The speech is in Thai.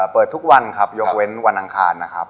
เปิดทุกวันครับยกเว้นวันอังคารนะครับ